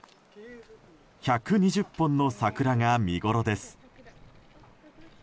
１２０本の桜が見頃です。